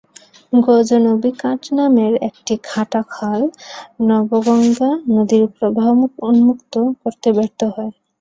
গজনবী কাট নামের একটি কাটা খাল নবগঙ্গা নদীর প্রবাহমুখ উন্মুক্ত করতে ব্যর্থ হয়।